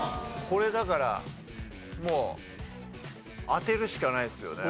これだからもう当てるしかないですよね。